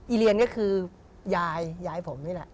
เรียนก็คือยายยายผมนี่แหละ